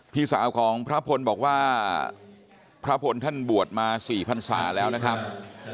พี่สาวของพระพลบอกว่าพระพลท่านบวชมา๔พันศาแล้วนะครับ